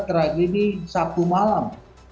terakhir ini sabtu malam